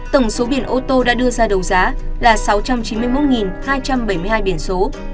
tổng số biển ô tô đã đưa ra đấu giá là sáu trăm chín mươi một hai trăm bảy mươi hai biển số